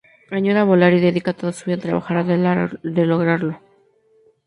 Añora volar y dedica toda su vida a tratar de lograrlo.